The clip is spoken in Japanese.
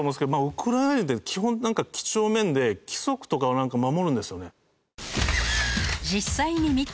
ウクライナって基本几帳面で規則とかは守るんですよね。